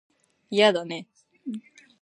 いやだね